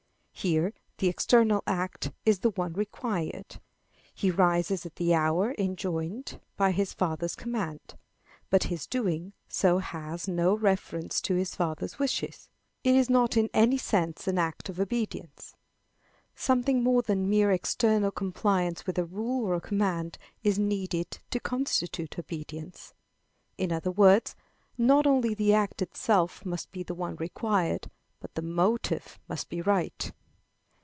Here the external act is the one required. He rises at the hour enjoined by his father's command. But his doing so has no reference to his father's wishes. It is not in any sense an act of obedience. Something more than mere external compliance with a rule or a command is needed to constitute obedience. In other words, not only the act itself must be the one required, but the motive must be right.